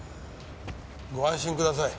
ご安心ください。